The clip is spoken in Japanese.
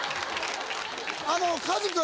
あのカズ君。